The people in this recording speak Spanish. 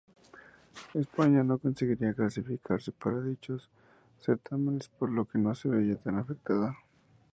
España no conseguiría clasificarse para dichos certámenes por lo que no se vería afectada.